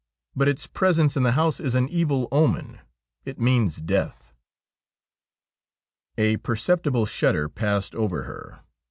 But its presence in the house is an evil omen — it means death.' A perceptible shudder passed over her.